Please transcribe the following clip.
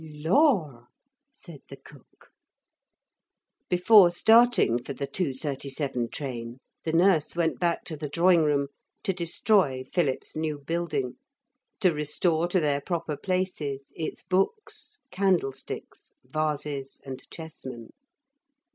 'Lor!' said the cook. ....... Before starting for the two thirty seven train the nurse went back to the drawing room to destroy Philip's new building, to restore to their proper places its books, candlesticks, vases, and chessmen.